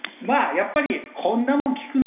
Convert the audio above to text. やっぱり「こんなもん効くの？